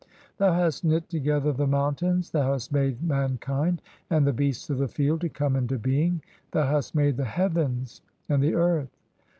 Thou hast "knit together the mountains, thou hast made (10) mankind and the "beasts of the field to come into being, thou hast made the heavens "and the earth.